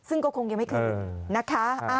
ซึ่งก็คงยังไม่คืนนะคะ